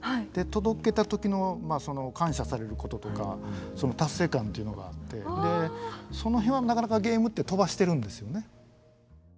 届けた時のその感謝されることとかその達成感っていうのがあってその辺はなかなかゲームって飛ばしてるんですよね。